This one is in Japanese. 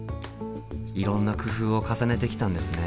いろんな工夫を重ねてきたんですね。